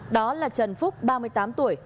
đó là trần phúc ba mươi tám tuổi